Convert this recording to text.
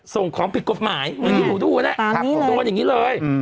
ส่งของผิดกฎหมายเหมือนที่ผมดูนะตรงนี้เลย